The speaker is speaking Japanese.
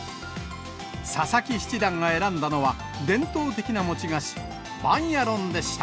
佐々木七段が選んだのは、伝統的な餅菓子、バンヤロンでした。